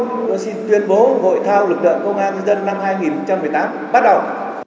chúng tôi xin tuyên bố hội thao lực lượng công an nhân dân năm hai nghìn một mươi tám bắt đầu